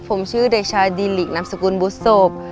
ผมชื่อเด็กชายดิลิกนามสกุลบุษบ